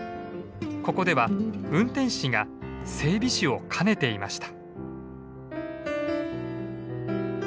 ここでは運転士が整備士を兼ねていました。